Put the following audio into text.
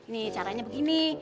nih caranya begini